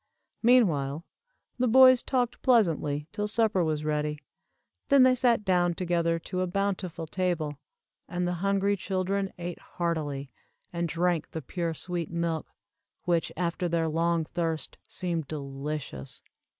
Meanwhile the boys talked pleasantly till supper was ready, then they sat down together to a bountiful table, and the hungry children ate heartily, and drank the pure sweet milk, which after their long thirst seemed delicious.